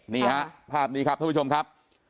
นี่ฮะภาพนี้ครับท่านผู้ชมครับ